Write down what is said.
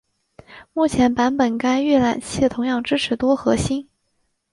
目前版本该预览器同样支持多核心。